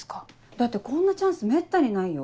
だってこんなチャンスめったにないよ？